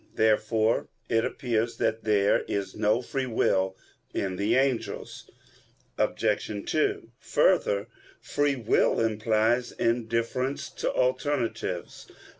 Therefore it appears that there is no free will in the angels. Obj. 2: Further, free will implies indifference to alternatives.